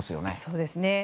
そうですね。